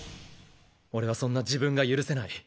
俺はそんな自分が許せない。